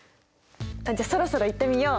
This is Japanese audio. じゃあそろそろいってみよう。